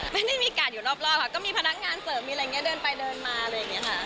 ไม่ได้มีการอยู่รอบค่ะก็มีพนักงานเสริมมีอะไรอย่างนี้เดินไปเดินมาอะไรอย่างนี้ค่ะ